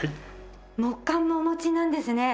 木棺もお持ちなんですね